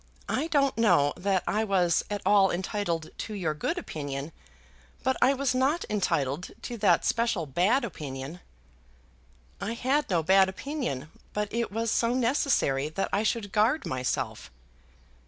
I don't know that I was at all entitled to your good opinion, but I was not entitled to that special bad opinion." "I had no bad opinion; but it was so necessary that I should guard myself."